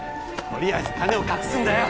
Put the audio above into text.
とりあえず金を隠すんだよ